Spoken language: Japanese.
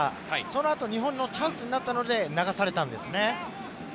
その後、日本のチャンスになったので流されたんですね。